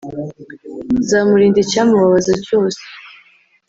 nzamurinda icyamubabaza cyose